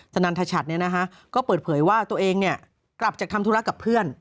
นันทชัดก็เปิดเผยว่าตัวเองกลับจากทำธุระกับเพื่อน